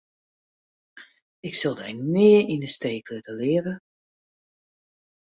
Ik sil dy nea yn 'e steek litte, leave.